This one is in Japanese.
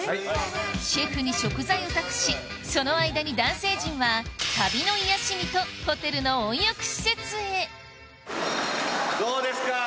シェフに食材を託しその間に男性陣は旅の癒やしにとホテルの温浴施設へどうですか？